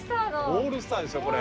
オールスターですよこれ！